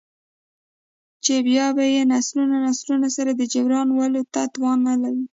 ،چـې بـيا بـه يې نسلونه نسلونه سـره د جـبران ولـو تـوان نـه وي.